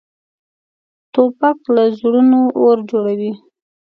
توپک له زړونو اور جوړوي.